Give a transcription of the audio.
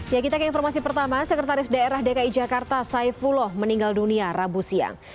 ya kita ke informasi pertama sekretaris daerah dki jakarta saifullah meninggal dunia rabu siang